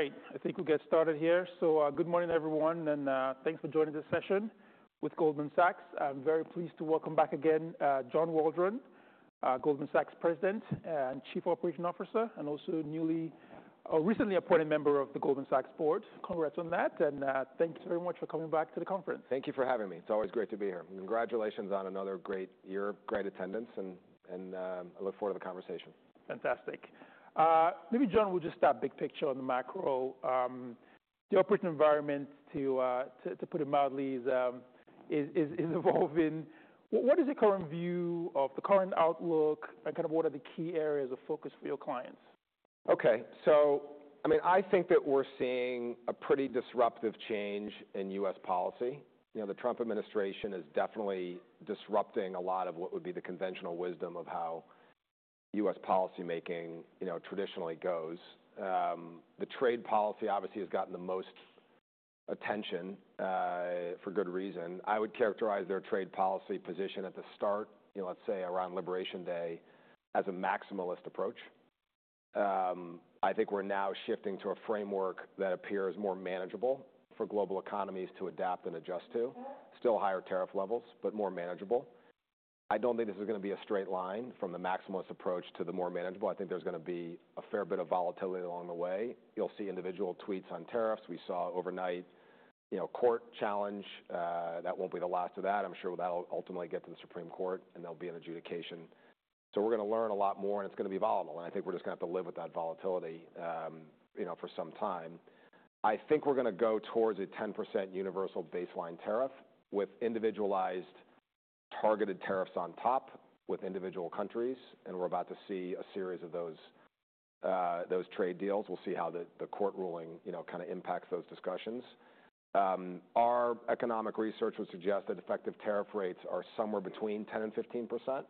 All right, I think we'll get started here. Good morning everyone, and thanks for joining this session with Goldman Sachs. I'm very pleased to welcome back again John Waldron, Goldman Sachs President and Chief Operating Officer, and also newly, or recently appointed member of the Goldman Sachs Board. Congrats on that, and thanks very much for coming back to the conference. Thank you for having me. It's always great to be here. Congratulations on another great year, great attendance, and I look forward to the conversation. Fantastic. Maybe John, we'll just start big picture on the macro. The operating environment, to put it mildly, is evolving. What is your current view of the current outlook, and kind of what are the key areas of focus for your clients? Okay. So, I mean, I think that we're seeing a pretty disruptive change in U.S. policy. You know, the Trump administration is definitely disrupting a lot of what would be the conventional wisdom of how U.S. policy making, you know, traditionally goes. The trade policy obviously has gotten the most attention, for good reason. I would characterize their trade policy position at the start, you know, let's say around Liberation Day, as a maximalist approach. I think we're now shifting to a framework that appears more manageable for global economies to adapt and adjust to. Still higher tariff levels, but more manageable. I don't think this is gonna be a straight line from the maximalist approach to the more manageable. I think there's gonna be a fair bit of volatility along the way. You'll see individual tweets on tariffs. We saw overnight, you know, court challenge. That won't be the last of that. I'm sure that'll ultimately get to the Supreme Court, and there'll be an adjudication. We're gonna learn a lot more, and it's gonna be volatile. I think we're just gonna have to live with that volatility, you know, for some time. I think we're gonna go towards a 10% universal baseline tariff, with individualized targeted tariffs on top, with individual countries. We're about to see a series of those trade deals. We'll see how the court ruling, you know, kinda impacts those discussions. Our economic research would suggest that effective tariff rates are somewhere between 10% and 15%,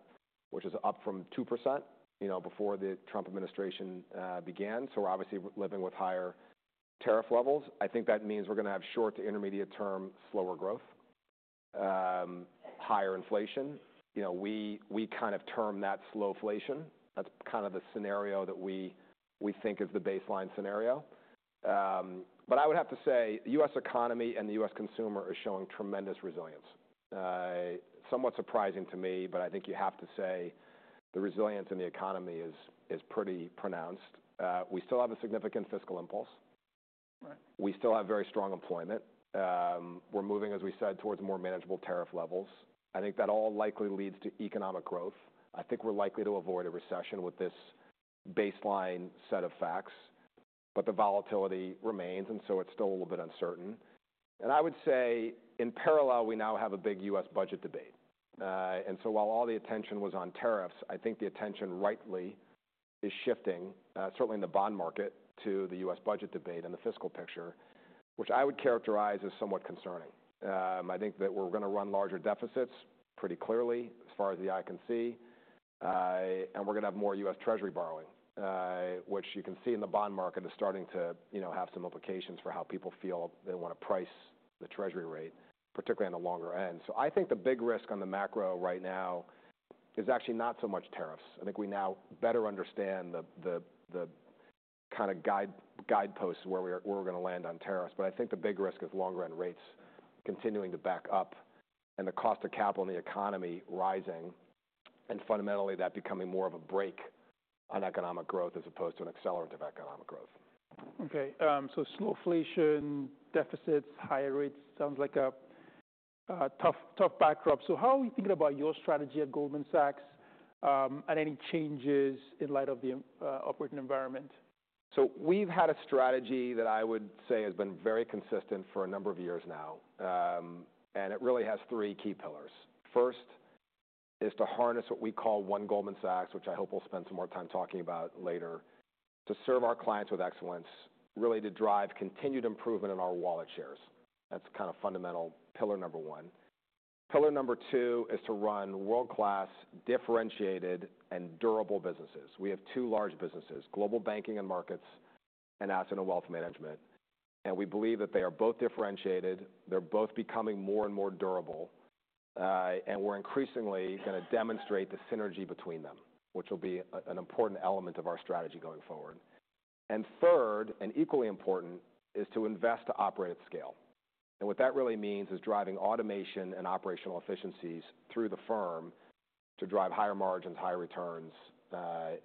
which is up from 2%, you know, before the Trump administration began. We're obviously living with higher tariff levels. I think that means we're gonna have short to intermediate-term slower growth, higher inflation. You know, we kind of term that slowflation. That's kind of the scenario that we think is the baseline scenario. I would have to say the U.S. economy and the U.S. consumer is showing tremendous resilience. Somewhat surprising to me, but I think you have to say the resilience in the economy is pretty pronounced. We still have a significant fiscal impulse. Right. We still have very strong employment. We're moving, as we said, towards more manageable tariff levels. I think that all likely leads to economic growth. I think we're likely to avoid a recession with this baseline set of facts. The volatility remains, and so it's still a little bit uncertain. I would say in parallel, we now have a big U.S. budget debate. While all the attention was on tariffs, I think the attention rightly is shifting, certainly in the bond market, to the U.S. budget debate and the fiscal picture, which I would characterize as somewhat concerning. I think that we're gonna run larger deficits pretty clearly, as far as the eye can see. We're gonna have more U.S. Treasury borrowing, which you can see in the bond market, is starting to, you know, have some implications for how people feel they wanna price the treasury rate, particularly on the longer end. I think the big risk on the macro right now is actually not so much tariffs. I think we now better understand the, the, the kinda guide, guideposts where we're, where we're gonna land on tariffs. I think the big risk is longer-end rates continuing to back up, and the cost of capital in the economy rising, and fundamentally that becoming more of a break on economic growth as opposed to an accelerant of economic growth. Okay. Slowflation, deficits, higher rates, sounds like a, a tough, tough backdrop. How are we thinking about your strategy at Goldman Sachs, and any changes in light of the operating environment? We have had a strategy that I would say has been very consistent for a number of years now, and it really has three key pillars. First is to harness what we call One Goldman Sachs, which I hope we will spend some more time talking about later, to serve our clients with excellence, really to drive continued improvement in our wallet shares. That is kind of fundamental pillar number one. Pillar number two is to run world-class, differentiated, and durable businesses. We have two large businesses: global banking and markets, and asset and wealth management. We believe that they are both differentiated. They are both becoming more and more durable, and we are increasingly going to demonstrate the synergy between them, which will be an important element of our strategy going forward. Third, and equally important, is to invest to operate at scale. What that really means is driving automation and operational efficiencies through the firm to drive higher margins, higher returns,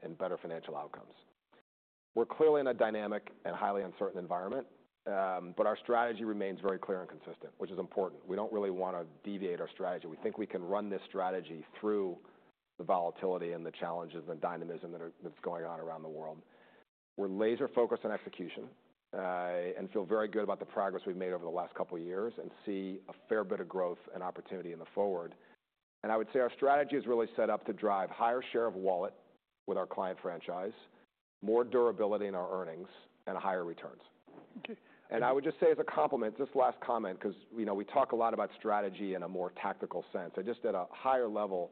and better financial outcomes. We are clearly in a dynamic and highly uncertain environment, but our strategy remains very clear and consistent, which is important. We do not really want to deviate our strategy. We think we can run this strategy through the volatility and the challenges and the dynamism that are going on around the world. When laser-focused on execution, and feel very good about the progress we have made over the last couple of years and see a fair bit of growth and opportunity in the forward. I would say our strategy is really set up to drive higher share of wallet with our client franchise, more durability in our earnings, and higher returns. Okay. I would just say as a compliment, just last comment, 'cause, you know, we talk a lot about strategy in a more tactical sense. I just, at a higher level,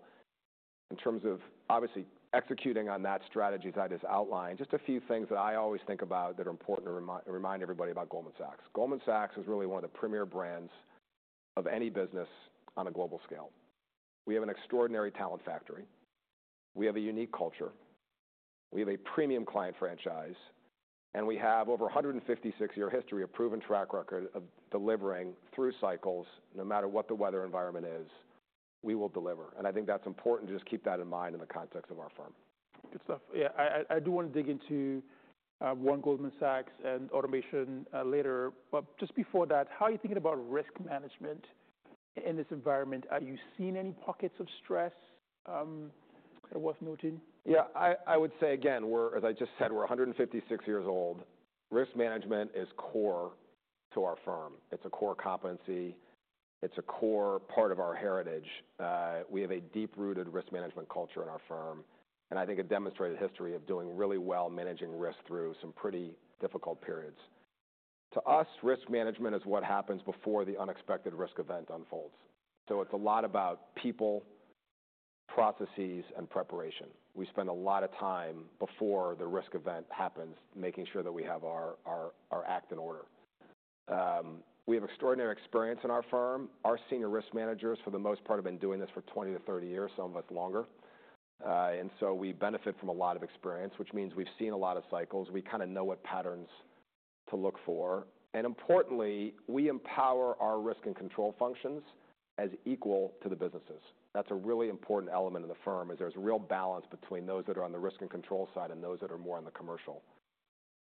in terms of obviously executing on that strategy that I just outlined. Just a few things that I always think about that are important to remind, remind everybody about Goldman Sachs. Goldman Sachs is really one of the premier brands of any business on a global scale. We have an extraordinary talent factory. We have a unique culture. We have a premium client franchise. We have over 156 year history of proven track record of delivering through cycles, no matter what the weather environment is, we will deliver. I think that's important to just keep that in mind in the context of our firm. Good stuff. Yeah. I do wanna dig into One Goldman Sachs and automation later. Just before that, how are you thinking about risk management in this environment? Are you seeing any pockets of stress that are worth noting? Yeah. I would say, again, we're, as I just said, we're 156 years old. Risk management is core to our firm. It's a core competency. It's a core part of our heritage. We have a deep-rooted risk management culture in our firm. And I think a demonstrated history of doing really well managing risk through some pretty difficult periods. To us, risk management is what happens before the unexpected risk event unfolds. So it's a lot about people, processes, and preparation. We spend a lot of time before the risk event happens, making sure that we have our act in order. We have extraordinary experience in our firm. Our senior risk managers, for the most part, have been doing this for 20 to 30 years, some of us longer. And so we benefit from a lot of experience, which means we've seen a lot of cycles. We kinda know what patterns to look for. Importantly, we empower our risk and control functions as equal to the businesses. That's a really important element of the firm is there's a real balance between those that are on the risk and control side and those that are more on the commercial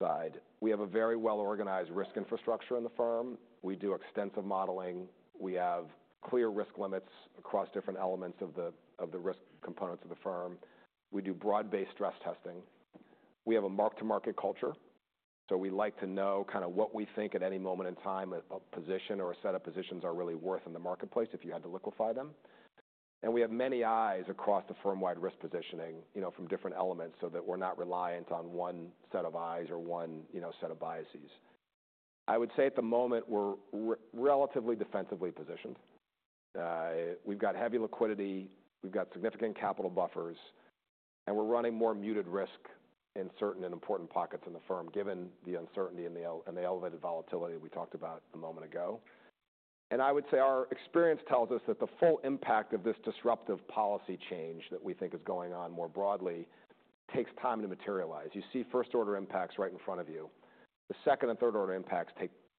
side. We have a very well-organized risk infrastructure in the firm. We do extensive modeling. We have clear risk limits across different elements of the risk components of the firm. We do broad-based stress testing. We have a mark-to-market culture. We like to know kinda what we think at any moment in time a position or a set of positions are really worth in the marketplace if you had to liquefy them. We have many eyes across the firm-wide risk positioning, you know, from different elements so that we're not reliant on one set of eyes or one, you know, set of biases. I would say at the moment we're relatively defensively positioned. We've got heavy liquidity. We've got significant capital buffers. We're running more muted risk in certain and important pockets in the firm, given the uncertainty and the elevated volatility we talked about a moment ago. I would say our experience tells us that the full impact of this disruptive policy change that we think is going on more broadly takes time to materialize. You see first-order impacts right in front of you. The second and third-order impacts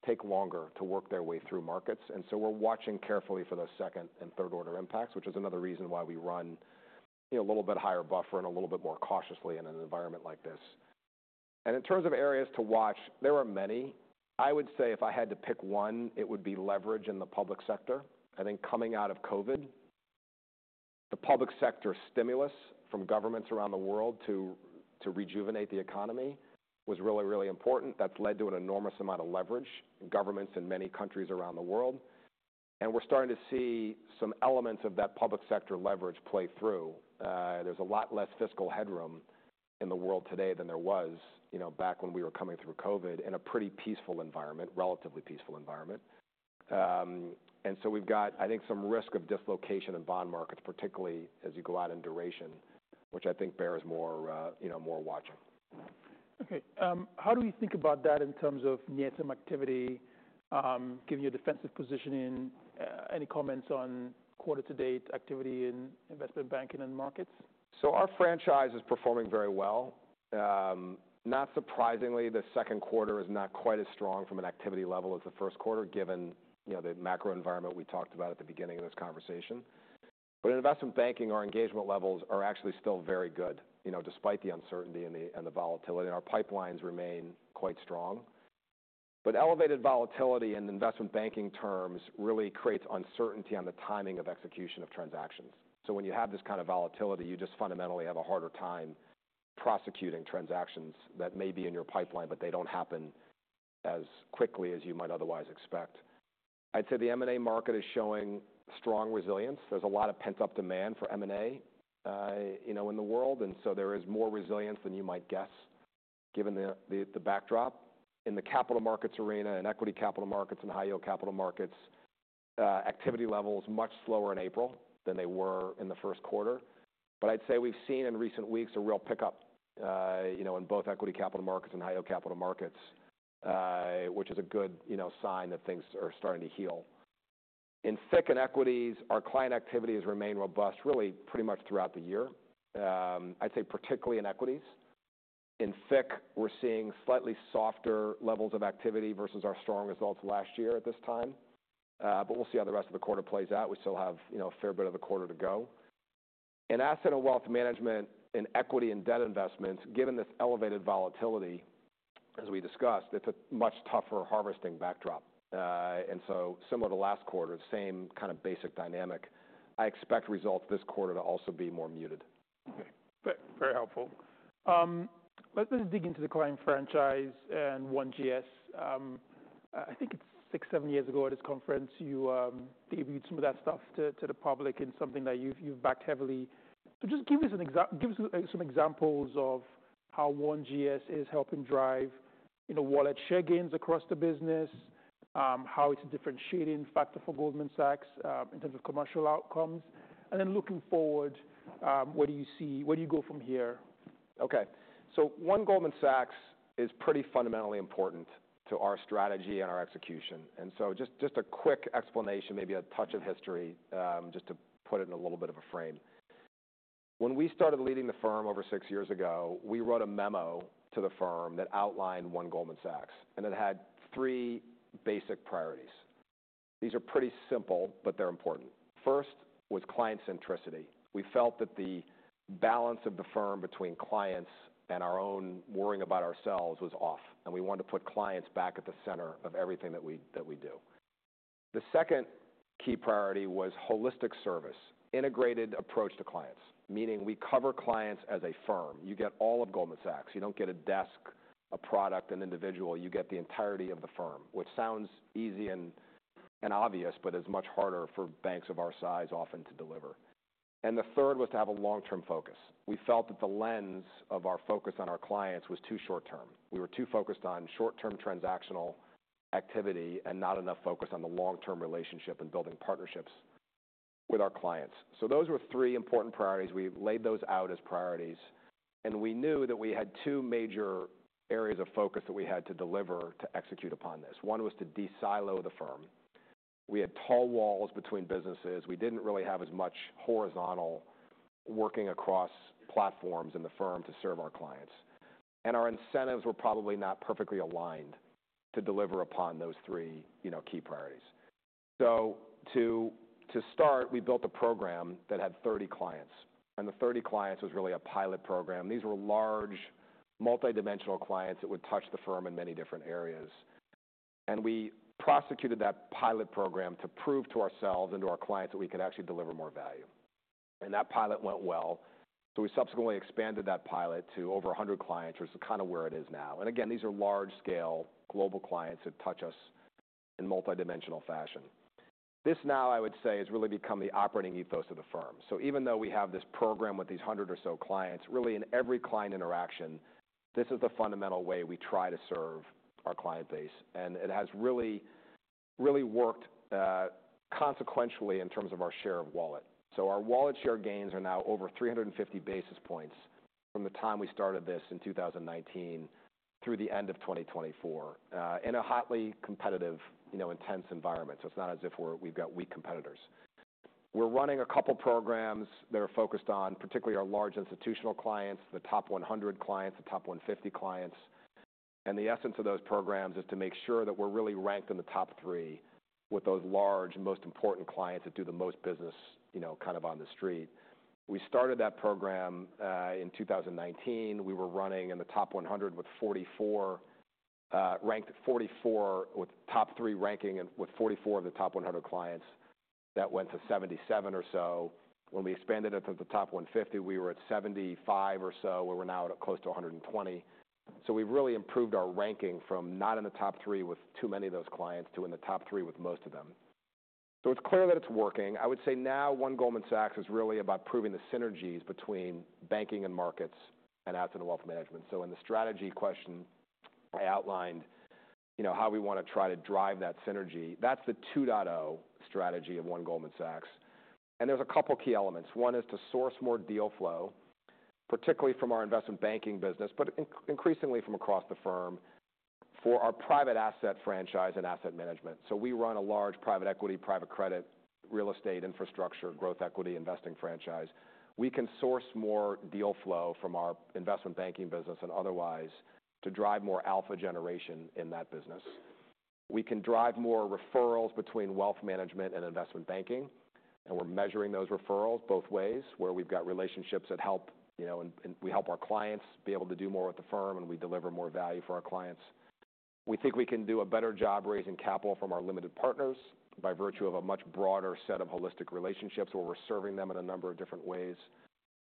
take longer to work their way through markets. We're watching carefully for those second and third-order impacts, which is another reason why we run, you know, a little bit higher buffer and a little bit more cautiously in an environment like this. In terms of areas to watch, there are many. I would say if I had to pick one, it would be leverage in the public sector. I think coming out of COVID, the public sector stimulus from governments around the world to, to rejuvenate the economy was really, really important. That's led to an enormous amount of leverage in governments in many countries around the world. We're starting to see some elements of that public sector leverage play through. There's a lot less fiscal headroom in the world today than there was, you know, back when we were coming through COVID in a pretty peaceful environment, relatively peaceful environment. we've got, I think, some risk of dislocation in bond markets, particularly as you go out in duration, which I think bears more, you know, more watching. Okay. How do we think about that in terms of near-term activity, given your defensive positioning? Any comments on quarter-to-date activity in investment banking and markets? Our franchise is performing very well. Not surprisingly, the second quarter is not quite as strong from an activity level as the first quarter, given, you know, the macro environment we talked about at the beginning of this conversation. In investment banking, our engagement levels are actually still very good, you know, despite the uncertainty and the, and the volatility. Our pipelines remain quite strong. Elevated volatility in investment banking terms really creates uncertainty on the timing of execution of transactions. When you have this kind of volatility, you just fundamentally have a harder time prosecuting transactions that may be in your pipeline, but they do not happen as quickly as you might otherwise expect. I'd say the M&A market is showing strong resilience. There is a lot of pent-up demand for M&A, you know, in the world. There is more resilience than you might guess, given the backdrop in the capital markets arena and equity capital markets and high-yield capital markets. Activity levels were much slower in April than they were in the first quarter. I'd say we've seen in recent weeks a real pickup, you know, in both equity capital markets and high-yield capital markets, which is a good, you know, sign that things are starting to heal. In FICC and equities, our client activity has remained robust really pretty much throughout the year. I'd say particularly in equities. In FICC, we're seeing slightly softer levels of activity versus our strong results last year at this time. We will see how the rest of the quarter plays out. We still have, you know, a fair bit of the quarter to go. In asset and wealth management, in equity and debt investments, given this elevated volatility, as we discussed, it's a much tougher harvesting backdrop. And so similar to last quarter, the same kinda basic dynamic. I expect results this quarter to also be more muted. Okay. Very helpful. Let's then dig into the client franchise and OneGS. I think it's six, seven years ago at this conference, you debuted some of that stuff to the public in something that you've backed heavily. So just give us an exa—give us some examples of how One GS is helping drive, you know, wallet share gains across the business, how it's a differentiating factor for Goldman Sachs, in terms of commercial outcomes. And then looking forward, where do you see—where do you go from here? Okay. One Goldman Sachs is pretty fundamentally important to our strategy and our execution. Just a quick explanation, maybe a touch of history, just to put it in a little bit of a frame. When we started leading the firm over six years ago, we wrote a memo to the firm that outlined One Goldman Sachs. It had three basic priorities. These are pretty simple, but they're important. First was client centricity. We felt that the balance of the firm between clients and our own worrying about ourselves was off. We wanted to put clients back at the center of everything that we do. The second key priority was holistic service, integrated approach to clients, meaning we cover clients as a firm. You get all of Goldman Sachs. You don't get a desk, a product, an individual. You get the entirety of the firm, which sounds easy and obvious, but is much harder for banks of our size often to deliver. The third was to have a long-term focus. We felt that the lens of our focus on our clients was too short-term. We were too focused on short-term transactional activity and not enough focus on the long-term relationship and building partnerships with our clients. Those were three important priorities. We laid those out as priorities. We knew that we had two major areas of focus that we had to deliver to execute upon this. One was to desilo the firm. We had tall walls between businesses. We did not really have as much horizontal working across platforms in the firm to serve our clients. Our incentives were probably not perfectly aligned to deliver upon those three, you know, key priorities. To start, we built a program that had 30 clients. And the 30 clients was really a pilot program. These were large, multidimensional clients that would touch the firm in many different areas. We prosecuted that pilot program to prove to ourselves and to our clients that we could actually deliver more value. That pilot went well. We subsequently expanded that pilot to over 100 clients, which is kinda where it is now. Again, these are large-scale global clients that touch us in multidimensional fashion. This now, I would say, has really become the operating ethos of the firm. Even though we have this program with these 100 or so clients, really in every client interaction, this is the fundamental way we try to serve our client base. It has really, really worked, consequentially in terms of our share of wallet. Our wallet share gains are now over 350 basis points from the time we started this in 2019 through the end of 2024, in a hotly competitive, you know, intense environment. It's not as if we've got weak competitors. We're running a couple of programs that are focused on particularly our large institutional clients, the top 100 clients, the top 150 clients. The essence of those programs is to make sure that we're really ranked in the top three with those large, most important clients that do the most business, you know, kind of on the street. We started that program in 2019. We were running in the top 100 with 44, ranked 44 with top three ranking and with 44 of the top 100 clients. That went to 77 or so. When we expanded it to the top 150, we were at 75 or so. We were now at close to 120. So we've really improved our ranking from not in the top three with too many of those clients to in the top three with most of them. It's clear that it's working. I would say now One Goldman Sachs is really about proving the synergies between banking and markets and asset and wealth management. In the strategy question, I outlined, you know, how we wanna try to drive that synergy. That's the 2.0 strategy of One Goldman Sachs. There's a couple key elements. One is to source more deal flow, particularly from our investment banking business, but increasingly from across the firm for our private asset franchise and asset management. We run a large private equity, private credit, real estate infrastructure, growth equity investing franchise. We can source more deal flow from our investment banking business and otherwise to drive more alpha generation in that business. We can drive more referrals between wealth management and investment banking. We are measuring those referrals both ways where we have relationships that help, you know, and we help our clients be able to do more with the firm and we deliver more value for our clients. We think we can do a better job raising capital from our limited partners by virtue of a much broader set of holistic relationships where we are serving them in a number of different ways.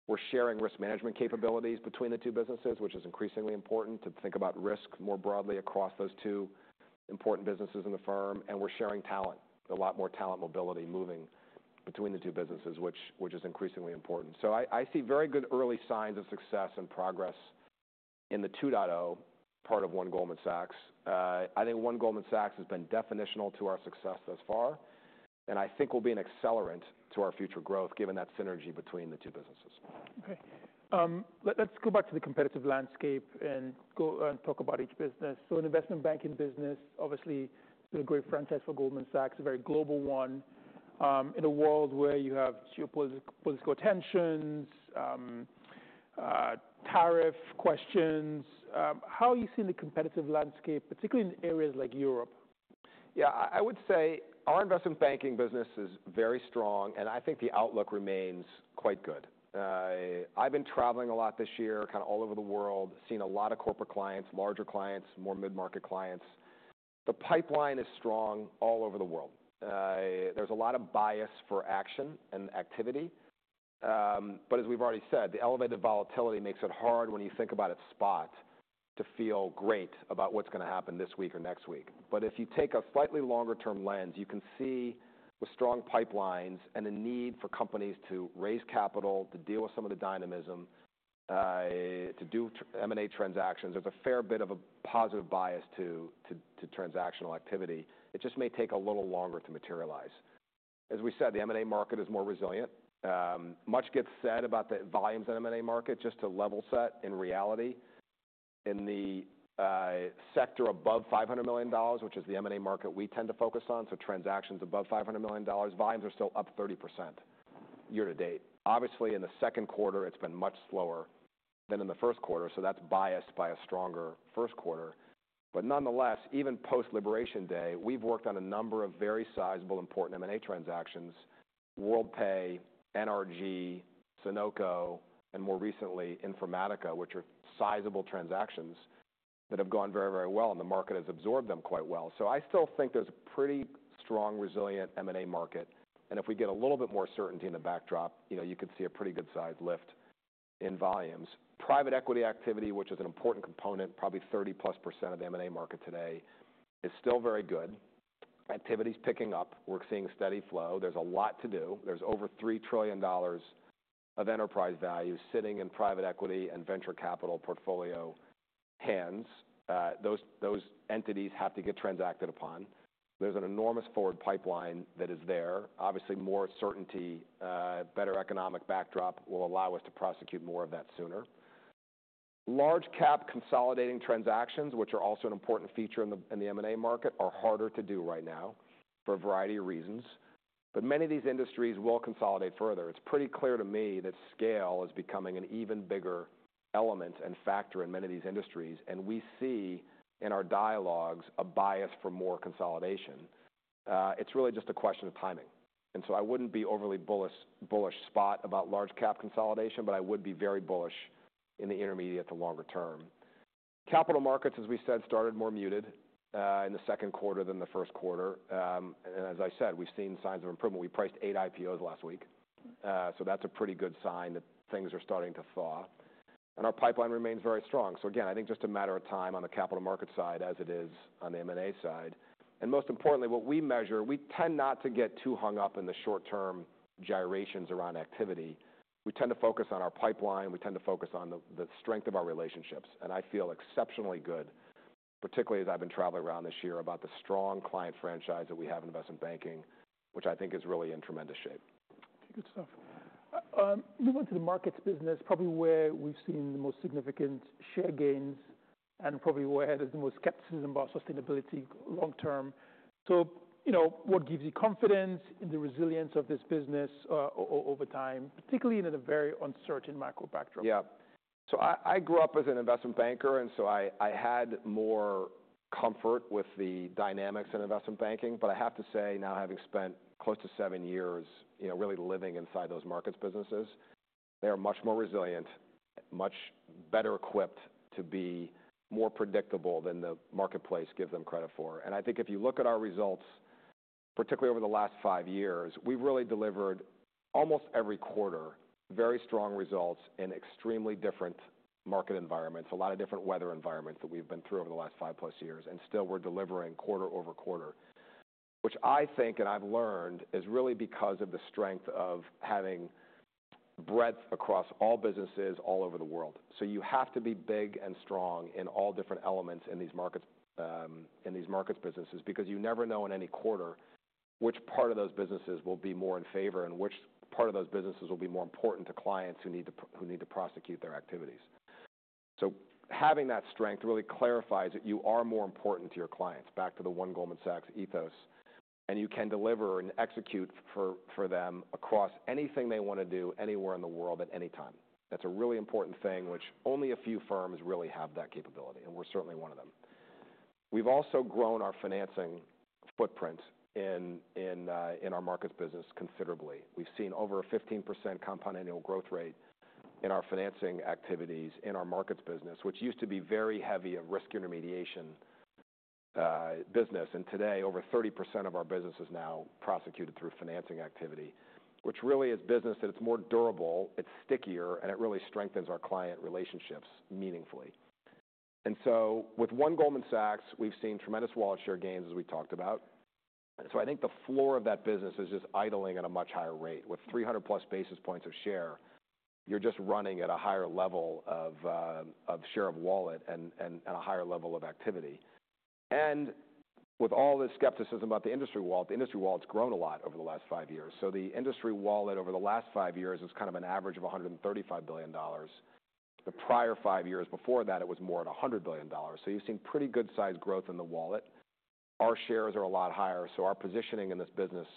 We are sharing risk management capabilities between the two businesses, which is increasingly important to think about risk more broadly across those two important businesses in the firm. We are sharing talent, a lot more talent mobility moving between the two businesses, which is increasingly important. I see very good early signs of success and progress in the 2.0 part of One Goldman Sachs. I think One Goldman Sachs has been definitional to our success thus far. I think we'll be an accelerant to our future growth given that synergy between the two businesses. Okay. Let's go back to the competitive landscape and go and talk about each business. In an investment banking business, obviously, it's been a great franchise for Goldman Sachs, a very global one. In a world where you have geopolitical, political tensions, tariff questions. How are you seeing the competitive landscape, particularly in areas like Europe? Yeah. I would say our investment banking business is very strong. I think the outlook remains quite good. I've been traveling a lot this year, kinda all over the world, seen a lot of corporate clients, larger clients, more mid-market clients. The pipeline is strong all over the world. There's a lot of bias for action and activity. As we've already said, the elevated volatility makes it hard when you think about it spot to feel great about what's gonna happen this week or next week. If you take a slightly longer-term lens, you can see with strong pipelines and the need for companies to raise capital to deal with some of the dynamism, to do M&A transactions, there's a fair bit of a positive bias to transactional activity. It just may take a little longer to materialize. As we said, the M&A market is more resilient. Much gets said about the volumes in the M&A market just to level set in reality. In the sector above $500 million, which is the M&A market we tend to focus on, so transactions above $500 million, volumes are still up 30% year-to-date. Obviously, in the second quarter, it's been much slower than in the first quarter. That is biased by a stronger first quarter. Nonetheless, even post-liberation day, we've worked on a number of very sizable, important M&A transactions: Worldpay, NRG, Sunoco, and more recently, Informatica, which are sizable transactions that have gone very, very well. The market has absorbed them quite well. I still think there's a pretty strong, resilient M&A market. If we get a little bit more certainty in the backdrop, you know, you could see a pretty good size lift in volumes. Private equity activity, which is an important component, probably 30+% of the M&A market today, is still very good. Activity's picking up. We're seeing steady flow. There's a lot to do. There's over $3 trillion of enterprise value sitting in private equity and venture capital portfolio. Hence, those entities have to get transacted upon. There's an enormous forward pipeline that is there. Obviously, more certainty, better economic backdrop will allow us to prosecute more of that sooner. Large-cap consolidating transactions, which are also an important feature in the M&A market, are harder to do right now for a variety of reasons. Many of these industries will consolidate further. It's pretty clear to me that scale is becoming an even bigger element and factor in many of these industries. And we see in our dialogues a bias for more consolidation. It's really just a question of timing. I wouldn't be overly bullish, bullish spot about large-cap consolidation, but I would be very bullish in the intermediate to longer term. Capital markets, as we said, started more muted in the second quarter than the first quarter. As I said, we've seen signs of improvement. We priced eight IPOs last week. That's a pretty good sign that things are starting to thaw. Our pipeline remains very strong. I think just a matter of time on the capital market side as it is on the M&A side. Most importantly, what we measure, we tend not to get too hung up in the short-term gyrations around activity. We tend to focus on our pipeline. We tend to focus on the, the strength of our relationships. I feel exceptionally good, particularly as I've been traveling around this year about the strong client franchise that we have in investment banking, which I think is really in tremendous shape. Okay. Good stuff. Moving on to the markets business, probably where we've seen the most significant share gains and probably where there's the most skepticism about sustainability long-term. You know, what gives you confidence in the resilience of this business, over time, particularly in a very uncertain micro backdrop? Yup. I grew up as an investment banker. I had more comfort with the dynamics in investment banking. I have to say, now having spent close to seven years, you know, really living inside those markets businesses, they are much more resilient, much better equipped to be more predictable than the marketplace gives them credit for. I think if you look at our results, particularly over the last five years, we've really delivered almost every quarter very strong results in extremely different market environments, a lot of different weather environments that we've been through over the last five-plus years. Still, we're delivering quarter over quarter, which I think, and I've learned, is really because of the strength of having breadth across all businesses all over the world. You have to be big and strong in all different elements in these markets, in these markets businesses because you never know in any quarter which part of those businesses will be more in favor and which part of those businesses will be more important to clients who need to, who need to prosecute their activities. Having that strength really clarifies that you are more important to your clients, back to the One Goldman Sachs ethos. You can deliver and execute for them across anything they wanna do anywhere in the world at any time. That's a really important thing, which only a few firms really have that capability. We're certainly one of them. We've also grown our financing footprint in our markets business considerably. We've seen over a 15% compound annual growth rate in our financing activities in our markets business, which used to be very heavy of risk intermediation business. Today, over 30% of our business is now prosecuted through financing activity, which really is business that is more durable, it's stickier, and it really strengthens our client relationships meaningfully. With One Goldman Sachs, we've seen tremendous wallet share gains as we talked about. I think the floor of that business is just idling at a much higher rate. With 300+ basis points of share, you're just running at a higher level of share of wallet and a higher level of activity. With all this skepticism about the industry wallet, the industry wallet's grown a lot over the last five years. The industry wallet over the last five years is kind of an average of $135 billion. The prior five years before that, it was more at $100 billion. You have seen pretty good size growth in the wallet. Our shares are a lot higher. Our positioning in this business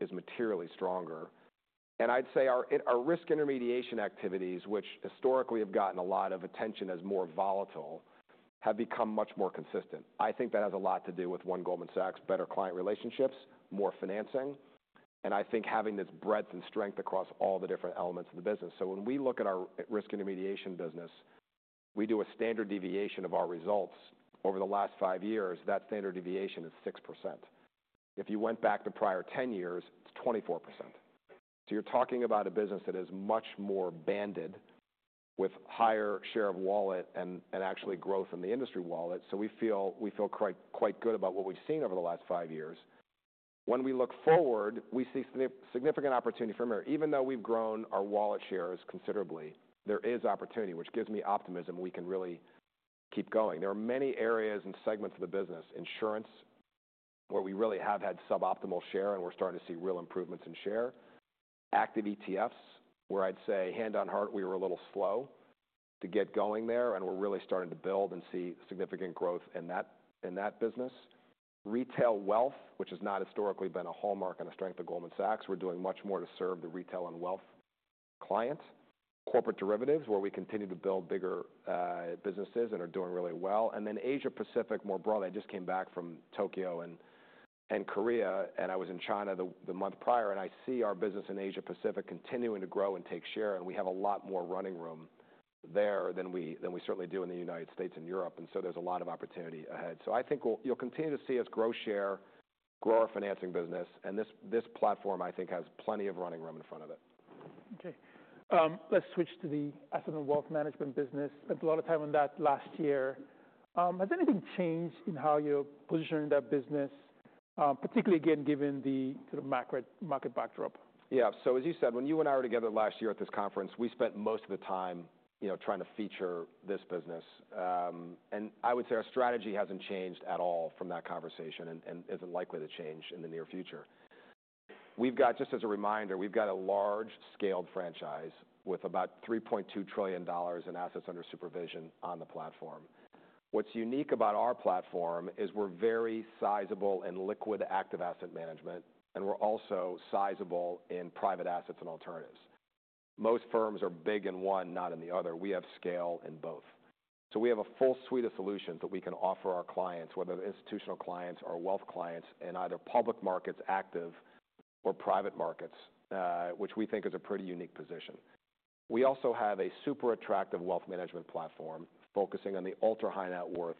is materially stronger. I'd say our risk intermediation activities, which historically have gotten a lot of attention as more volatile, have become much more consistent. I think that has a lot to do with One Goldman Sachs, better client relationships, more financing. I think having this breadth and strength across all the different elements of the business. When we look at our risk intermediation business, we do a standard deviation of our results over the last five years. That standard deviation is 6%. If you went back to prior 10 years, it's 24%. You're talking about a business that is much more banded with higher share of wallet and, and actually growth in the industry wallet. We feel, we feel quite, quite good about what we've seen over the last five years. When we look forward, we see significant opportunity for America. Even though we've grown our wallet shares considerably, there is opportunity, which gives me optimism we can really keep going. There are many areas and segments of the business, insurance, where we really have had suboptimal share and we're starting to see real improvements in share, active ETFs, where I'd say hand on heart, we were a little slow to get going there. We're really starting to build and see significant growth in that, in that business. Retail wealth, which has not historically been a hallmark and a strength of Goldman Sachs, we're doing much more to serve the retail and wealth client. Corporate derivatives, where we continue to build bigger businesses and are doing really well. Asia-Pacific, more broadly, I just came back from Tokyo and Korea. I was in China the month prior. I see our business in Asia-Pacific continuing to grow and take share. We have a lot more running room there than we certainly do in the United States and Europe. There is a lot of opportunity ahead. I think you'll continue to see us grow share, grow our financing business. This platform, I think, has plenty of running room in front of it. Okay. Let's switch to the asset and wealth management business. Spent a lot of time on that last year. Has anything changed in how you're positioning that business, particularly again, given the sort of macro market backdrop? Yeah. As you said, when you and I were together last year at this conference, we spent most of the time, you know, trying to feature this business. I would say our strategy has not changed at all from that conversation and is not likely to change in the near future. We've got, just as a reminder, we've got a large-scaled franchise with about $3.2 trillion in assets under supervision on the platform. What's unique about our platform is we're very sizable in liquid active asset management. We're also sizable in private assets and alternatives. Most firms are big in one, not in the other. We have scale in both. We have a full suite of solutions that we can offer our clients, whether they're institutional clients or wealth clients in either public markets, active or private markets, which we think is a pretty unique position. We also have a super attractive wealth management platform focusing on the ultra-high net worth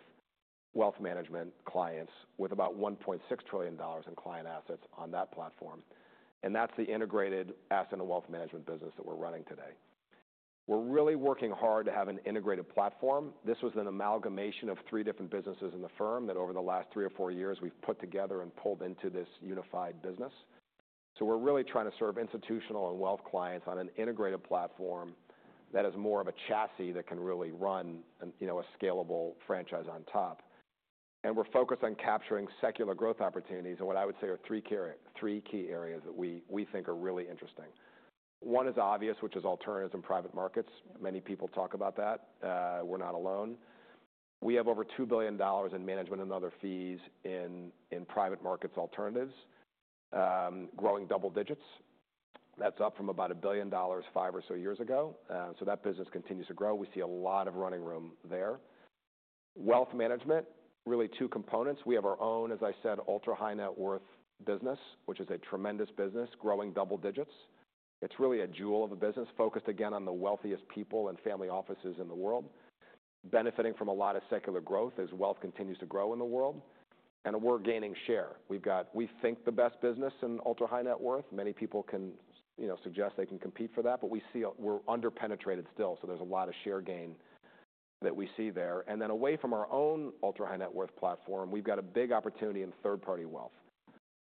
wealth management clients with about $1.6 trillion in client assets on that platform. That's the integrated asset and wealth management business that we're running today. We're really working hard to have an integrated platform. This was an amalgamation of three different businesses in the firm that over the last three or four years we've put together and pulled into this unified business. We're really trying to serve institutional and wealth clients on an integrated platform that is more of a chassis that can really run and, you know, a scalable franchise on top. We're focused on capturing secular growth opportunities in what I would say are three key areas that we, we think are really interesting. One is obvious, which is alternatives and private markets. Many people talk about that. We're not alone. We have over $2 billion in management and other fees in, in private markets alternatives, growing double digits. That's up from about $1 billion five or so years ago. That business continues to grow. We see a lot of running room there. Wealth management, really two components. We have our own, as I said, ultra-high net worth business, which is a tremendous business, growing double digits. It's really a jewel of a business focused again on the wealthiest people and family offices in the world, benefiting from a lot of secular growth as wealth continues to grow in the world. We're gaining share. We've got, we think, the best business in ultra-high net worth. Many people can, you know, suggest they can compete for that. We see we're underpenetrated still. There's a lot of share gain that we see there. Away from our own ultra-high net worth platform, we've got a big opportunity in third-party wealth,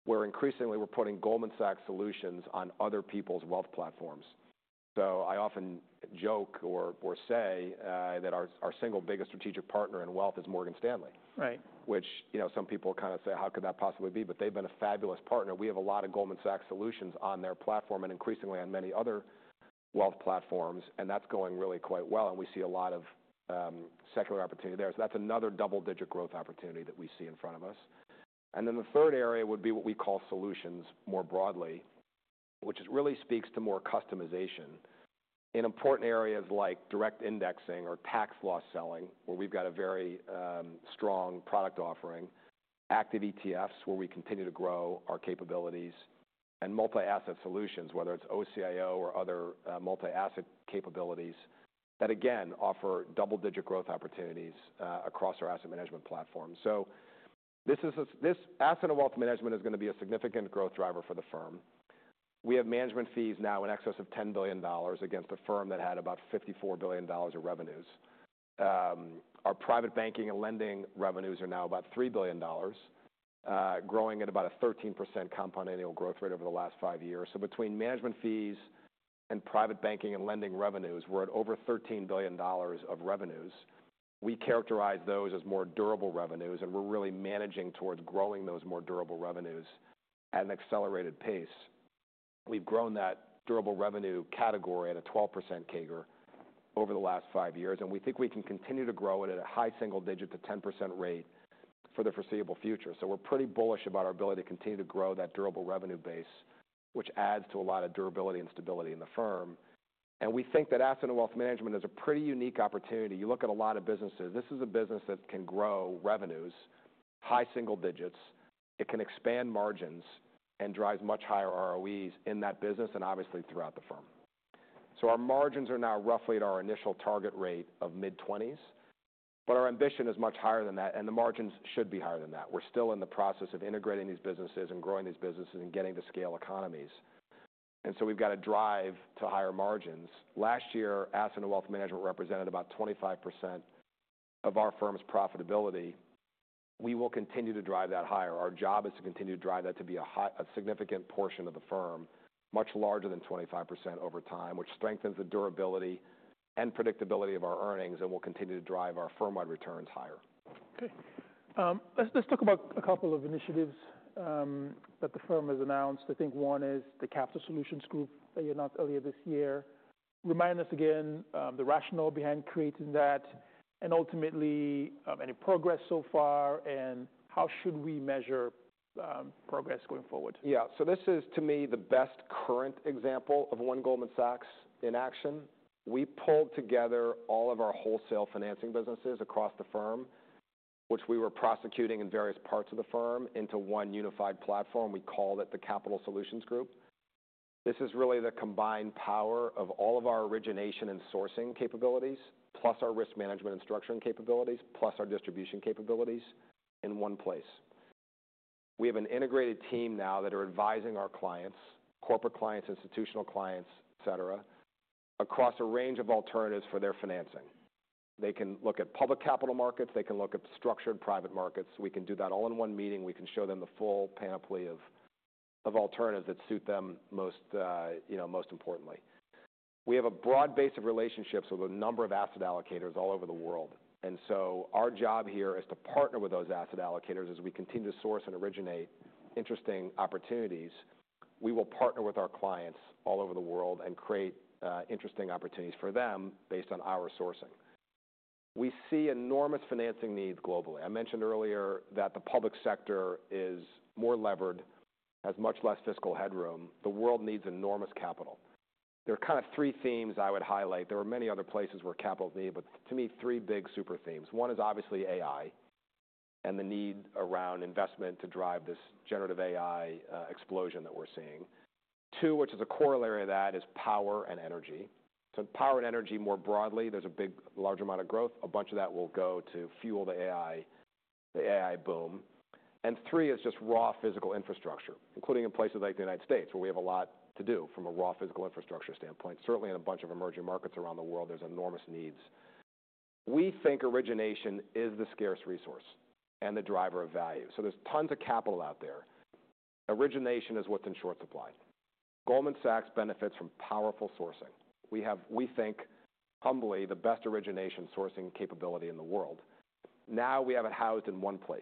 where increasingly we're putting Goldman Sachs solutions on other people's wealth platforms. I often joke, or say, that our single biggest strategic partner in wealth is Morgan Stanley. Right. Which, you know, some people kinda say, "How could that possibly be?" They have been a fabulous partner. We have a lot of Goldman Sachs solutions on their platform and increasingly on many other wealth platforms. That is going really quite well. We see a lot of secular opportunity there. That is another double-digit growth opportunity that we see in front of us. The third area would be what we call solutions more broadly, which really speaks to more customization in important areas like direct indexing or tax loss selling, where we have a very strong product offering, active ETFs, where we continue to grow our capabilities, and multi-asset solutions, whether it is OCIO or other multi-asset capabilities that, again, offer double-digit growth opportunities across our asset management platform. This asset and wealth management is going to be a significant growth driver for the firm. We have management fees now in excess of $10 billion against a firm that had about $54 billion of revenues. Our private banking and lending revenues are now about $3 billion, growing at about a 13% compound annual growth rate over the last five years. Between management fees and private banking and lending revenues, we're at over $13 billion of revenues. We characterize those as more durable revenues. We're really managing towards growing those more durable revenues at an accelerated pace. We've grown that durable revenue category at a 12% CAGR over the last five years. We think we can continue to grow it at a high single-digit to 10% rate for the foreseeable future. We're pretty bullish about our ability to continue to grow that durable revenue base, which adds to a lot of durability and stability in the firm. We think that asset and wealth management is a pretty unique opportunity. You look at a lot of businesses, this is a business that can grow revenues, high single digits. It can expand margins and drive much higher ROEs in that business and obviously throughout the firm. Our margins are now roughly at our initial target rate of mid-20s. Our ambition is much higher than that. The margins should be higher than that. We're still in the process of integrating these businesses and growing these businesses and getting to scale economies. We've got to drive to higher margins. Last year, asset and wealth management represented about 25% of our firm's profitability. We will continue to drive that higher. Our job is to continue to drive that to be a high, a significant portion of the firm, much larger than 25% over time, which strengthens the durability and predictability of our earnings and will continue to drive our firm-wide returns higher. Okay. Let's talk about a couple of initiatives that the firm has announced. I think one is the Capital Solutions Group that you announced earlier this year. Remind us again, the rationale behind creating that and ultimately, any progress so far and how should we measure progress going forward? Yeah. This is, to me, the best current example of One Goldman Sachs in action. We pulled together all of our wholesale financing businesses across the firm, which we were prosecuting in various parts of the firm into one unified platform. We called it the Capital Solutions Group. This is really the combined power of all of our origination and sourcing capabilities, plus our risk management and structuring capabilities, plus our distribution capabilities in one place. We have an integrated team now that are advising our clients, corporate clients, institutional clients, etc., across a range of alternatives for their financing. They can look at public capital markets. They can look at structured private markets. We can do that all in one meeting. We can show them the full panoply of, of alternatives that suit them most, you know, most importantly. We have a broad base of relationships with a number of asset allocators all over the world. Our job here is to partner with those asset allocators as we continue to source and originate interesting opportunities. We will partner with our clients all over the world and create interesting opportunities for them based on our sourcing. We see enormous financing needs globally. I mentioned earlier that the public sector is more levered, has much less fiscal headroom. The world needs enormous capital. There are kinda three themes I would highlight. There are many other places where capital's needed, but to me, three big super themes. One is obviously AI and the need around investment to drive this generative AI explosion that we're seeing. Two, which is a corollary of that, is power and energy. Power and energy more broadly, there's a big, large amount of growth. A bunch of that will go to fuel the AI, the AI boom. Three is just raw physical infrastructure, including in places like the United States, where we have a lot to do from a raw physical infrastructure standpoint. Certainly, in a bunch of emerging markets around the world, there's enormous needs. We think origination is the scarce resource and the driver of value. There is tons of capital out there. Origination is what's in short supply. Goldman Sachs benefits from powerful sourcing. We have, we think, humbly, the best origination sourcing capability in the world. Now we have it housed in one place.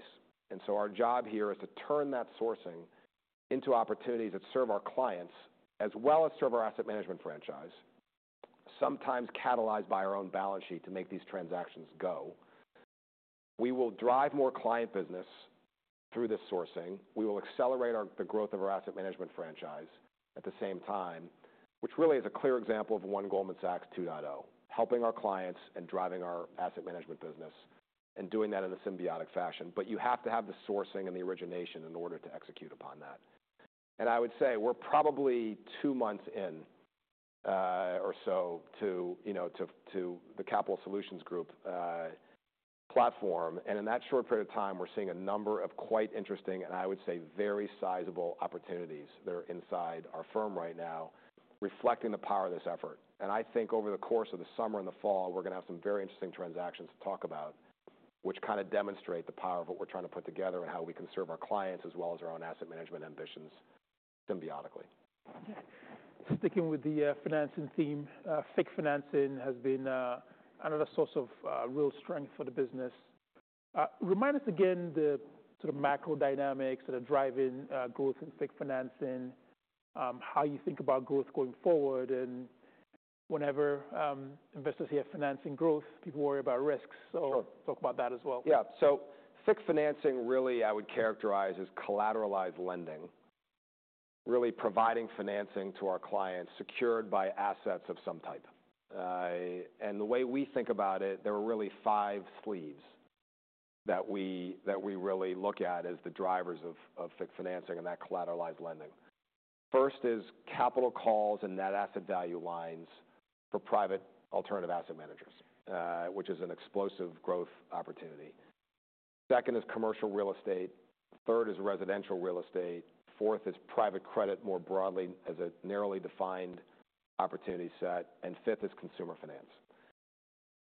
Our job here is to turn that sourcing into opportunities that serve our clients as well as serve our asset management franchise, sometimes catalyzed by our own balance sheet to make these transactions go. We will drive more client business through this sourcing. We will accelerate the growth of our asset management franchise at the same time, which really is a clear example of One Goldman Sachs 2.0, helping our clients and driving our asset management business and doing that in a symbiotic fashion. You have to have the sourcing and the origination in order to execute upon that. I would say we're probably two months in, or so to, you know, to the Capital Solutions Group platform. In that short period of time, we're seeing a number of quite interesting and I would say very sizable opportunities that are inside our firm right now, reflecting the power of this effort. I think over the course of the summer and the fall, we're gonna have some very interesting transactions to talk about, which kinda demonstrate the power of what we're trying to put together and how we can serve our clients as well as our own asset management ambitions symbiotically. Sticking with the financing theme, fix financing has been another source of real strength for the business. Remind us again the sort of macro dynamics to the driving growth in fake financing, how you think about growth going forward. Whenever investors hear financing growth, people worry about risks. Sure. Talk about that as well. Yeah. fix financing really I would characterize as collateralized lending, really providing financing to our clients secured by assets of some type. The way we think about it, there are really five sleeves that we really look at as the drivers of fix financing and that collateralized lending. First is capital calls and net asset value lines for private alternative asset managers, which is an explosive growth opportunity. Second is commercial real estate. Third is residential real estate. Fourth is private credit more broadly as a narrowly defined opportunity set. Fifth is consumer finance.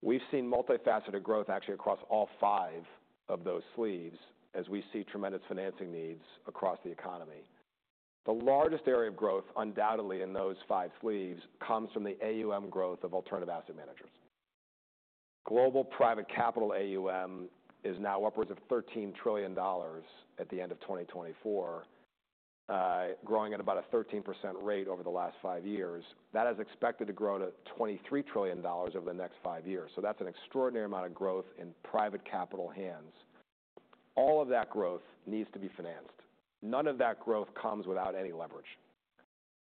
We've seen multi-faceted growth actually across all five of those sleeves as we see tremendous financing needs across the economy. The largest area of growth undoubtedly in those five sleeves comes from the AUM growth of alternative asset managers. Global private capital AUM is now upwards of $13 trillion at the end of 2024, growing at about a 13% rate over the last five years. That is expected to grow to $23 trillion over the next five years. That is an extraordinary amount of growth in private capital hands. All of that growth needs to be financed. None of that growth comes without any leverage.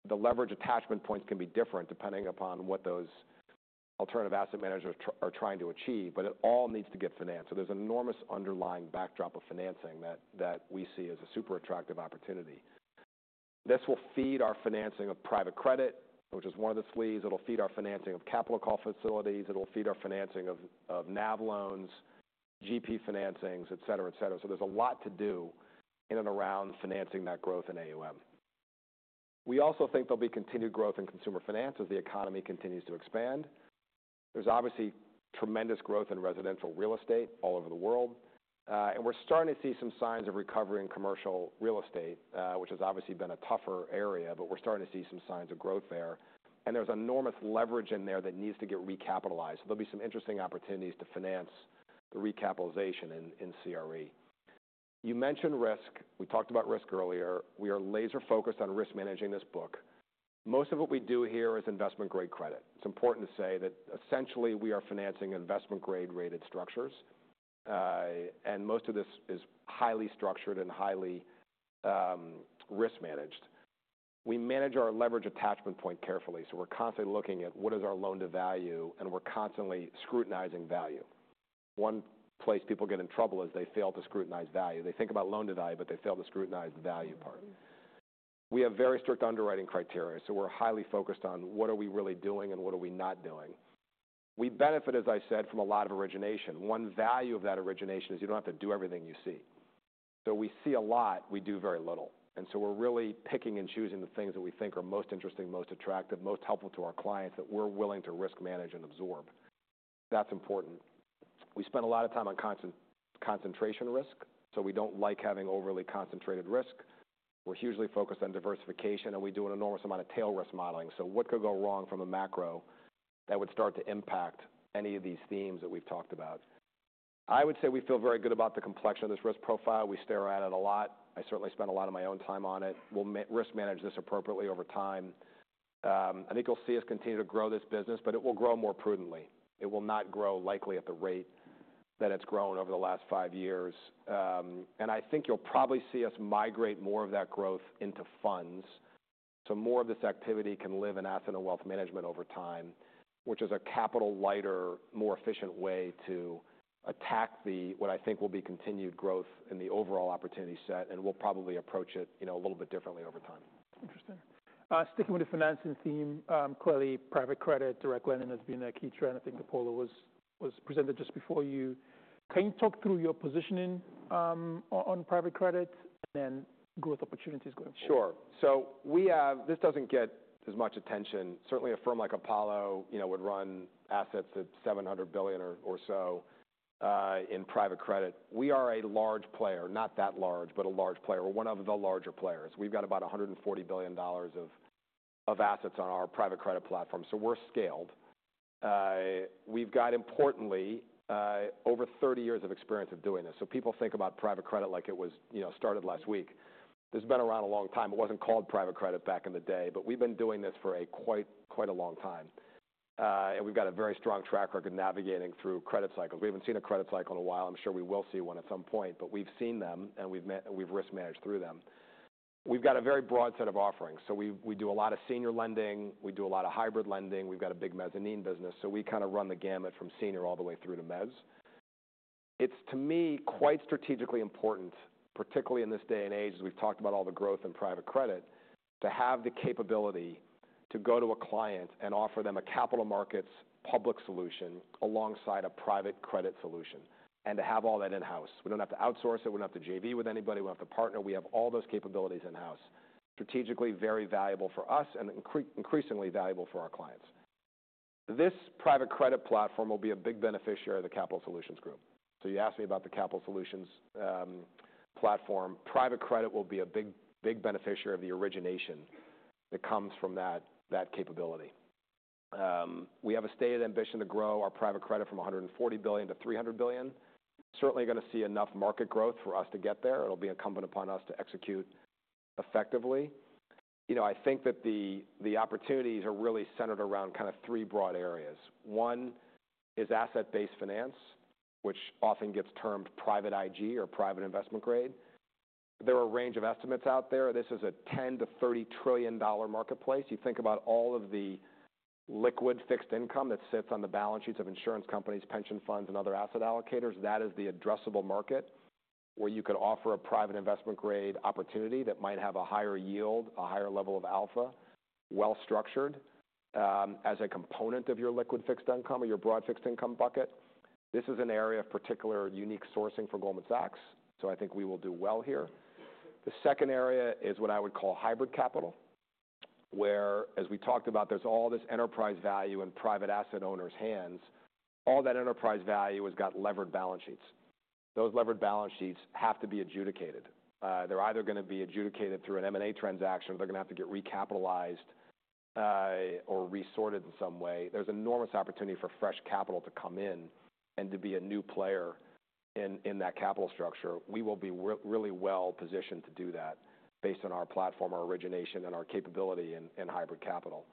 The leverage attachment points can be different depending upon what those alternative asset managers are trying to achieve, but it all needs to get financed. There is an enormous underlying backdrop of financing that we see as a super attractive opportunity. This will feed our financing of private credit, which is one of the sleeves. It will feed our financing of capital call facilities. It will feed our financing of NAV loans, GP Financings, etc., etc. There is a lot to do in and around financing that growth in AUM. We also think there will be continued growth in consumer finance as the economy continues to expand. There is obviously tremendous growth in residential real estate all over the world. We are starting to see some signs of recovery in commercial real estate, which has obviously been a tougher area, but we are starting to see some signs of growth there. There is enormous leverage in there that needs to get recapitalized. There will be some interesting opportunities to finance the recapitalization in CRE. You mentioned risk. We talked about risk earlier. We are laser-focused on risk managing this book. Most of what we do here is investment-grade credit. It is important to say that essentially we are financing investment-grade rated structures, and most of this is highly structured and highly risk-managed. We manage our leverage attachment point carefully. We're constantly looking at what is our loan-to-value, and we're constantly scrutinizing value. One place people get in trouble is they fail to scrutinize value. They think about loan-to-value, but they fail to scrutinize the value part. We have very strict underwriting criteria. We're highly focused on what are we really doing and what are we not doing. We benefit, as I said, from a lot of origination. One value of that origination is you do not have to do everything you see. We see a lot. We do very little. We're really picking and choosing the things that we think are most interesting, most attractive, most helpful to our clients that we're willing to risk manage and absorb. That's important. We spend a lot of time on concentration risk. We do not like having overly concentrated risk. We're hugely focused on diversification, and we do an enormous amount of tail risk modeling. What could go wrong from a macro that would start to impact any of these themes that we've talked about? I would say we feel very good about the complexion of this risk profile. We stare at it a lot. I certainly spent a lot of my own time on it. We'll risk manage this appropriately over time. I think you'll see us continue to grow this business, but it will grow more prudently. It will not grow likely at the rate that it's grown over the last five years. I think you'll probably see us migrate more of that growth into funds so more of this activity can live in asset and wealth management over time, which is a capital-lighter, more efficient way to attack what I think will be continued growth in the overall opportunity set. We'll probably approach it, you know, a little bit differently over time. Interesting. Sticking with the financing theme, clearly private credit, direct lending has been a key trend. I think Apollo was presented just before you. Can you talk through your positioning on private credit and then growth opportunities going forward? Sure. This doesn't get as much attention. Certainly, a firm like Apollo, you know, would run assets at $700 billion or so in private credit. We are a large player, not that large, but a large player. We're one of the larger players. We've got about $140 billion of assets on our private credit platform. We're scaled. Importantly, we've got over 30 years of experience of doing this. People think about private credit like it was, you know, started last week. This has been around a long time. It wasn't called private credit back in the day, but we've been doing this for quite a long time. We've got a very strong track record navigating through credit cycles. We haven't seen a credit cycle in a while. I'm sure we will see one at some point, but we've seen them and we've risk managed through them. We've got a very broad set of offerings. We do a lot of senior lending. We do a lot of hybrid lending. We've got a big mezzanine business. We kinda run the gamut from senior all the way through to mezzanine. It's, to me, quite strategically important, particularly in this day and age as we've talked about all the growth in private credit, to have the capability to go to a client and offer them a capital markets public solution alongside a private credit solution and to have all that in-house. We don't have to outsource it. We don't have to JV with anybody. We don't have to partner. We have all those capabilities in-house. Strategically very valuable for us and increasingly valuable for our clients. This private credit platform will be a big beneficiary of the Capital Solutions Group. You asked me about the Capital Solutions platform. Private credit will be a big, big beneficiary of the origination that comes from that capability. We have a stated ambition to grow our private credit from $140 billion-$300 billion. Certainly gonna see enough market growth for us to get there. It'll be incumbent upon us to execute effectively. You know, I think that the opportunities are really centered around kinda three broad areas. One is asset-based finance, which often gets termed private IG or private investment grade. There are a range of estimates out there. This is a $10 trillion-$30 trillion marketplace. You think about all of the liquid fixed income that sits on the balance sheets of insurance companies, pension funds, and other asset allocators. That is the addressable market where you could offer a private investment grade opportunity that might have a higher yield, a higher level of alpha, well-structured, as a component of your liquid fixed income or your broad fixed income bucket. This is an area of particular unique sourcing for Goldman Sachs. I think we will do well here. The second area is what I would call hybrid capital, where, as we talked about, there's all this enterprise value in private asset owners' hands. All that enterprise value has got levered balance sheets. Those levered balance sheets have to be adjudicated. They're either gonna be adjudicated through an M&A transaction, or they're gonna have to get recapitalized, or resorted in some way. There's enormous opportunity for fresh capital to come in and to be a new player in, in that capital structure. We will be really well-positioned to do that based on our platform, our origination, and our capability in hybrid capital.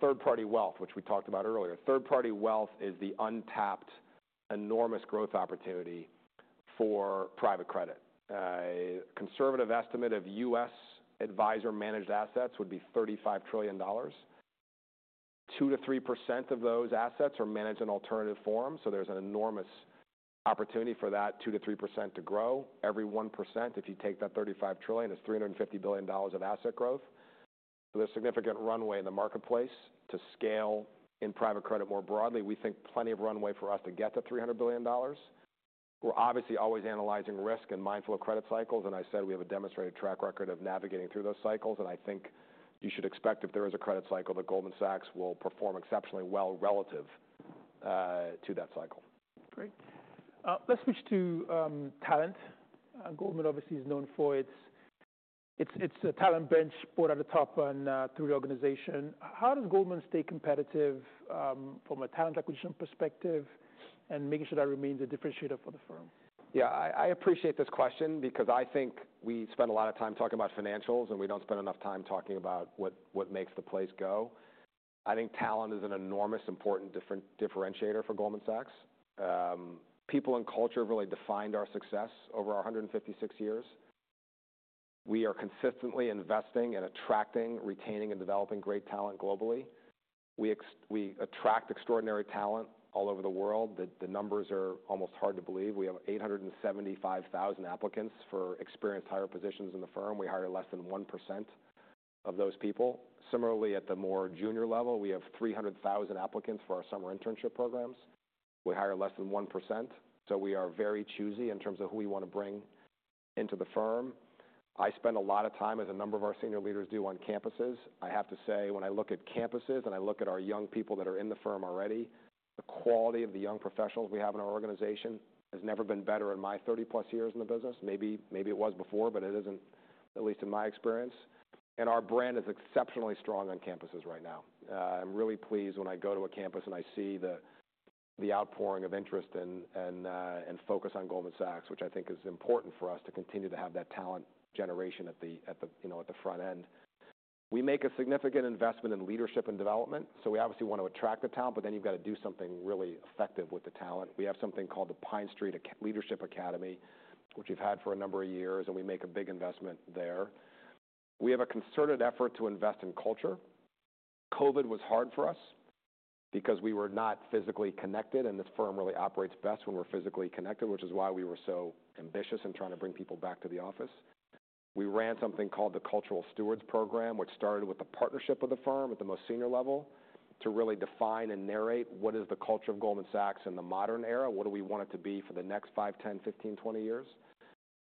Third-party wealth, which we talked about earlier. Third-party wealth is the untapped enormous growth opportunity for private credit. A conservative estimate of U.S. advisor-managed assets would be $35 trillion. 2-3% of those assets are managed in alternative forums. There is an enormous opportunity for that 2%-3% to grow. Every 1%, if you take that $35 trillion, is $350 billion of asset growth. There is significant runway in the marketplace to scale in private credit more broadly. We think plenty of runway for us to get to $300 billion. We are obviously always analyzing risk and mindful of credit cycles. I said we have a demonstrated track record of navigating through those cycles. I think you should expect if there is a credit cycle that Goldman Sachs will perform exceptionally well relative to that cycle. Great. Let's switch to talent. Goldman obviously is known for its, its, it's a talent bench both at the top and through the organization. How does Goldman stay competitive from a talent acquisition perspective and making sure that remains a differentiator for the firm? Yeah. I appreciate this question because I think we spend a lot of time talking about financials, and we don't spend enough time talking about what makes the place go. I think talent is an enormous important differentiator for Goldman Sachs. People and culture have really defined our success over our 156 years. We are consistently investing and attracting, retaining, and developing great talent globally. We attract extraordinary talent all over the world. The numbers are almost hard to believe. We have 875,000 applicants for experienced hire positions in the firm. We hire less than 1% of those people. Similarly, at the more junior level, we have 300,000 applicants for our summer internship programs. We hire less than 1%. We are very choosy in terms of who we wanna bring into the firm. I spend a lot of time, as a number of our senior leaders do, on campuses. I have to say when I look at campuses and I look at our young people that are in the firm already, the quality of the young professionals we have in our organization has never been better in my 30+ years in the business. Maybe, maybe it was before, but it isn't, at least in my experience. Our brand is exceptionally strong on campuses right now. I'm really pleased when I go to a campus and I see the outpouring of interest and focus on Goldman Sachs, which I think is important for us to continue to have that talent generation at the, you know, at the front end. We make a significant investment in leadership and development. We obviously wanna attract the talent, but then you've gotta do something really effective with the talent. We have something called the Pine Street Leadership Academy, which we've had for a number of years, and we make a big investment there. We have a concerted effort to invest in culture. COVID was hard for us because we were not physically connected, and this firm really operates best when we're physically connected, which is why we were so ambitious in trying to bring people back to the office. We ran something called the Cultural Stewards Program, which started with the partnership of the firm at the most senior level to really define and narrate what is the culture of Goldman Sachs in the modern era. What do we want it to be for the next five, 10, 15, 20 years?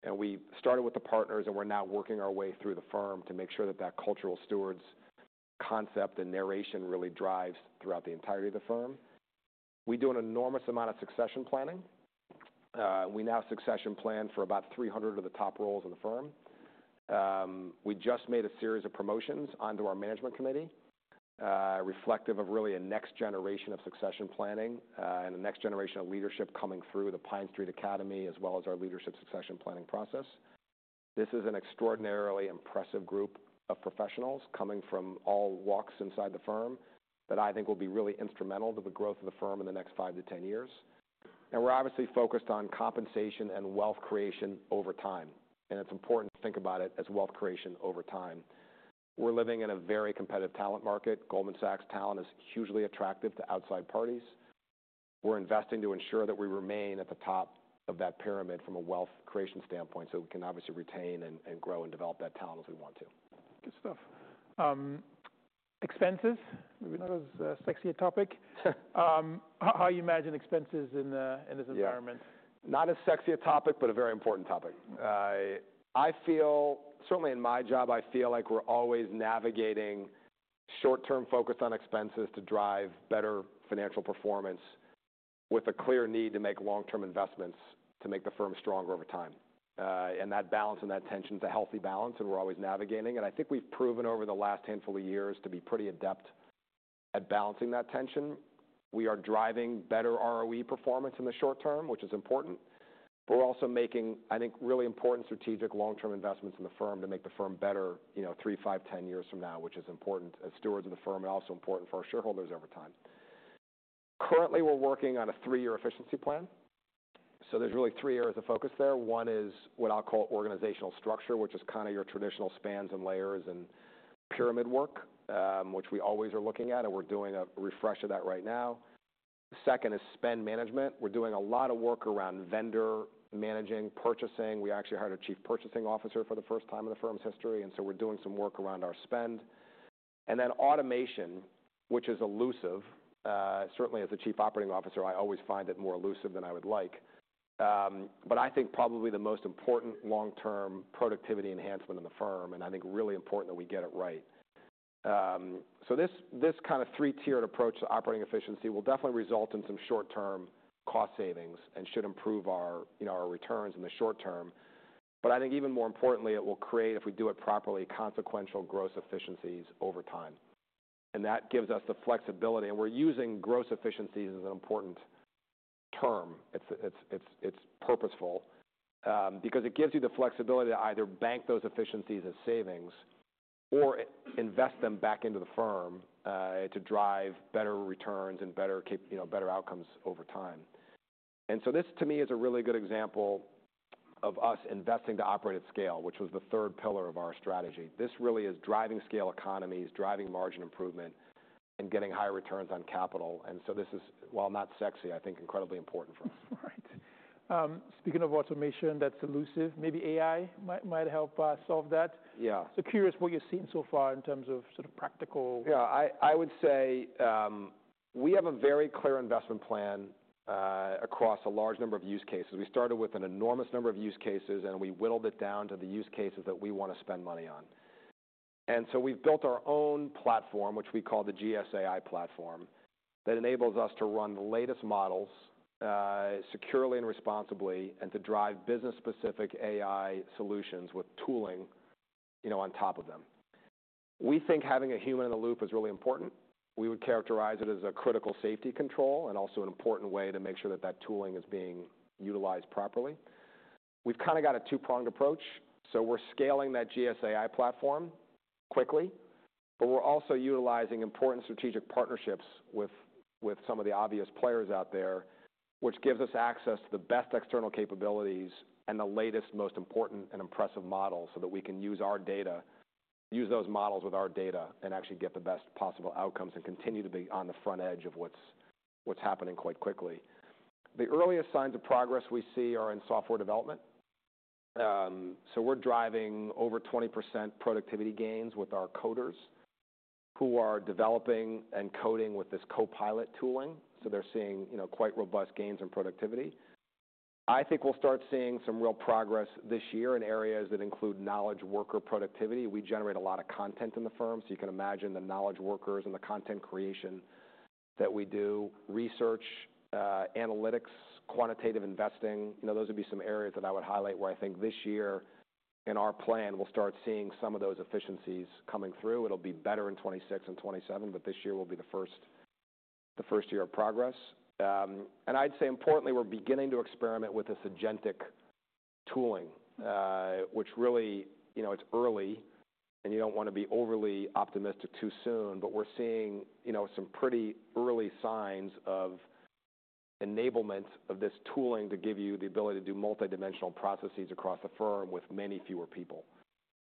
We started with the partners, and we are now working our way through the firm to make sure that that cultural stewards concept and narration really drives throughout the entirety of the firm. We do an enormous amount of succession planning. We now succession plan for about 300 of the top roles in the firm. We just made a series of promotions onto our management committee, reflective of really a next generation of succession planning, and a next generation of leadership coming through the Pine Street Leadership Academy as well as our leadership succession planning process. This is an extraordinarily impressive group of professionals coming from all walks inside the firm that I think will be really instrumental to the growth of the firm in the next five to 10 years. We are obviously focused on compensation and wealth creation over time. It is important to think about it as wealth creation over time. We are living in a very competitive talent market. Goldman Sachs talent is hugely attractive to outside parties. We are investing to ensure that we remain at the top of that pyramid from a wealth creation standpoint so we can obviously retain and grow and develop that talent if we want to. Good stuff. Expenses, maybe not as sexy a topic. How, how you imagine expenses in, in this environment? Yeah. Not as sexy a topic, but a very important topic. I feel certainly in my job, I feel like we're always navigating short-term focus on expenses to drive better financial performance with a clear need to make long-term investments to make the firm stronger over time. That balance and that tension's a healthy balance, and we're always navigating. I think we've proven over the last handful of years to be pretty adept at balancing that tension. We are driving better ROE performance in the short term, which is important. We're also making, I think, really important strategic long-term investments in the firm to make the firm better, you know, three, five, 10 years from now, which is important as stewards of the firm and also important for our shareholders over time. Currently, we're working on a three-year efficiency plan. There are really three areas of focus there. One is what I'll call organizational structure, which is kind of your traditional spans and layers and pyramid work, which we always are looking at, and we're doing a refresh of that right now. Second is spend management. We're doing a lot of work around vendor, managing, purchasing. We actually hired a Chief Purchasing Officer for the first time in the firm's history. We are doing some work around our spend. Then automation, which is elusive. Certainly as a Chief Operating Officer, I always find it more elusive than I would like. I think probably the most important long-term productivity enhancement in the firm, and I think really important that we get it right. This kinda three-tiered approach to operating efficiency will definitely result in some short-term cost savings and should improve our, you know, our returns in the short term. I think even more importantly, it will create, if we do it properly, consequential gross efficiencies over time. That gives us the flexibility. We're using gross efficiencies as an important term. It's purposeful, because it gives you the flexibility to either bank those efficiencies as savings or invest them back into the firm, to drive better returns and better cap, you know, better outcomes over time. This, to me, is a really good example of us investing to operate at scale, which was the third pillar of our strategy. This really is driving scale economies, driving margin improvement, and getting higher returns on capital. This is, while not sexy, I think incredibly important for us. Right. Speaking of automation that's elusive, maybe AI might, might help, solve that. Yeah. Curious what you're seeing so far in terms of sort of practical. Yeah. I would say, we have a very clear investment plan, across a large number of use cases. We started with an enormous number of use cases, and we whittled it down to the use cases that we wanna spend money on. We have built our own platform, which we call the GS AI platform, that enables us to run the latest models, securely and responsibly and to drive business-specific AI solutions with tooling, you know, on top of them. We think having a human in the loop is really important. We would characterize it as a critical safety control and also an important way to make sure that that tooling is being utilized properly. We have kinda got a two-pronged approach. We're scaling that GS AI platform quickly, but we're also utilizing important strategic partnerships with some of the obvious players out there, which gives us access to the best external capabilities and the latest, most important and impressive models so that we can use our data, use those models with our data, and actually get the best possible outcomes and continue to be on the front edge of what's happening quite quickly. The earliest signs of progress we see are in software development. We're driving over 20% productivity gains with our coders who are developing and coding with this Copilot tooling. They're seeing, you know, quite robust gains in productivity. I think we'll start seeing some real progress this year in areas that include knowledge worker productivity. We generate a lot of content in the firm. You can imagine the knowledge workers and the content creation that we do, research, analytics, quantitative investing. You know, those would be some areas that I would highlight where I think this year in our plan, we'll start seeing some of those efficiencies coming through. It'll be better in 2026 and 2027, but this year will be the first, the first year of progress. I'd say importantly, we're beginning to experiment with the agentic tooling, which really, you know, it's early, and you don't wanna be overly optimistic too soon. You know, we're seeing some pretty early signs of enablement of this tooling to give you the ability to do multidimensional processes across the firm with many fewer people,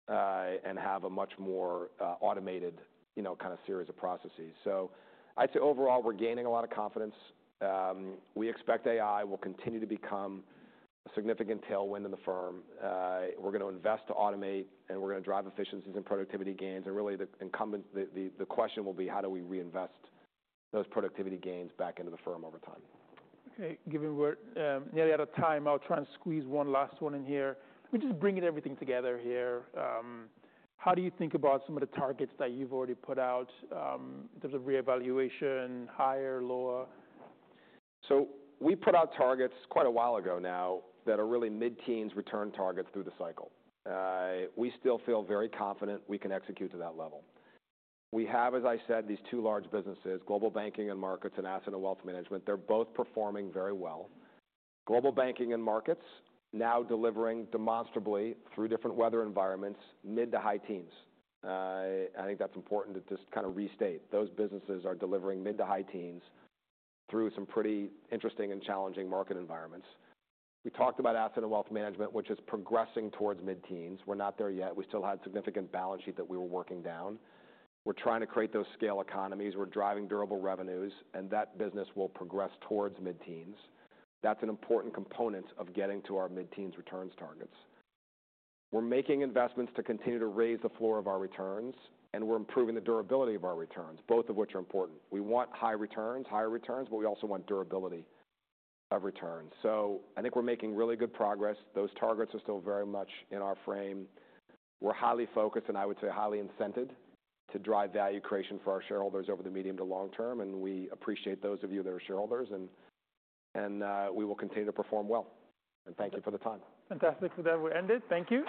and have a much more automated, you know, kinda series of processes. I'd say overall, we're gaining a lot of confidence. We expect AI will continue to become a significant tailwind in the firm. We're gonna invest to automate, and we're gonna drive efficiencies and productivity gains. Really, the question will be, how do we reinvest those productivity gains back into the firm over time? Okay. Given we're nearly out of time, I'll try and squeeze one last one in here. We're just bringing everything together here. How do you think about some of the targets that you've already put out, in terms of re-evaluation, higher, lower? We put out targets quite a while ago now that are really mid-teens return targets through the cycle. We still feel very confident we can execute to that level. We have, as I said, these two large businesses, global banking and markets and asset and wealth management. They're both performing very well. Global banking and markets now delivering demonstrably through different weather environments, mid- to high-teens. I think that's important to just kinda restate. Those businesses are delivering mid to high teens through some pretty interesting and challenging market environments. We talked about asset and wealth management, which is progressing towards mid-teens. We're not there yet. We still had significant balance sheet that we were working down. We're trying to create those scale economies. We're driving durable revenues, and that business will progress towards mid-teens. That's an important component of getting to our mid-teens returns targets. We're making investments to continue to raise the floor of our returns, and we're improving the durability of our returns, both of which are important. We want high returns, higher returns, but we also want durability of returns. I think we're making really good progress. Those targets are still very much in our frame. We're highly focused, and I would say highly incented to drive value creation for our shareholders over the medium to long term. We appreciate those of you that are shareholders, and we will continue to perform well. Thank you for the time. Fantastic. With that, we're ended. Thank you.